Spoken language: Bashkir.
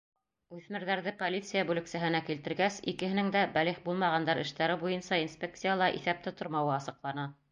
Үҫмерҙәрҙе полиция бүлексәһенә килтергәс, икеһенең дә бәлиғ булмағандар эштәре буйынса инспекцияла иҫәптә тормауы асыҡлана.